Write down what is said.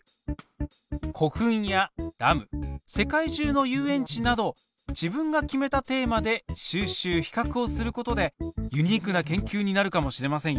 古墳やダム世界じゅうの遊園地など自分が決めたテーマで収集比較をすることでユニークな研究になるかもしれませんよ。